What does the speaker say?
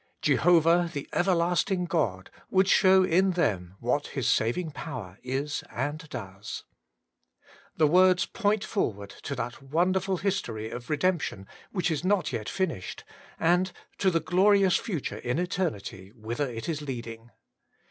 Jehovah the Everlasting God would show in them what His saving power is and does. The words point forward to that wonder ful history of redemption which is not yet finished, and to the glorious future in eternity aa WAITING ON GODI whither it is leading.